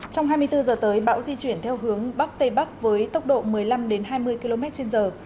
trong hai mươi bốn giờ tới bão di chuyển theo hướng bắc tây bắc với tốc độ một mươi năm hai mươi km trên giờ